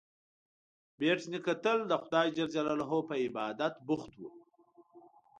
بېټ نیکه تل د خدای جل جلاله پر عبادت بوخت و.